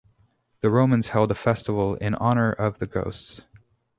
The Romans held a festival in honor of the ghosts.